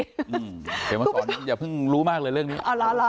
เดี๋ยวมาสอนอย่าเพิ่งรู้มากเลยเรื่องนี้อ๋อล่ะล่ะ